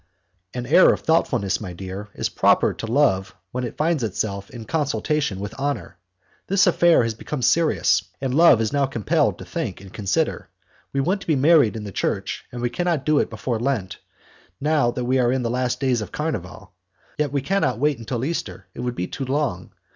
"An air of thoughtfulness, my dear, is proper to love when it finds itself in consultation with honour. This affair has become serious, and love is now compelled to think and consider. We want to be married in the church, and we cannot do it before Lent, now that we are in the last days of carnival; yet we cannot wait until Easter, it would be too long.